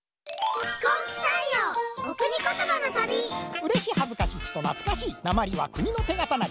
うれしはずかしちとなつかしいなまりは国のてがたなり。